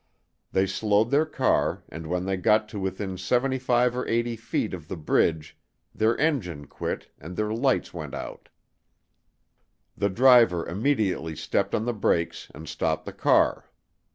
They slowed their car and when they got to within 75 or 80 feet of the bridge their engine quit and their lights went out. The driver immediately stepped on the brakes and stopped the car.